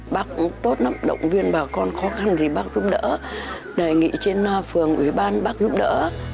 bác cũng tốt lắm động viên bà con khó khăn thì bác giúp đỡ đề nghị trên phường ủy ban bác giúp đỡ